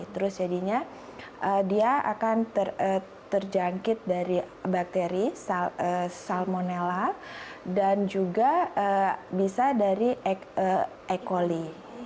terus jadinya dia akan terjangkit dari bakteri salmonella dan juga bisa dari e coli